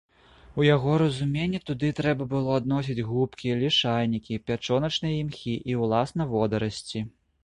У яго разуменні туды трэба было адносіць губкі, лішайнікі, пячоначныя імхі і ўласна водарасці.